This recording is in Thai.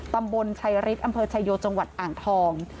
ตำบลชายฤทธิ์อำเภอชายโยจังหวัดอ่างทอง